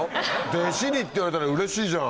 「弟子に」って言われたらうれしいじゃん。